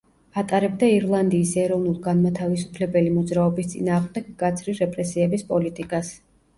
ატარებდა ირლანდიის ეროვნულ-განმათავისუფლებელი მოძრაობის წინააღმდეგ მკაცრი რეპრესიების პოლიტიკას.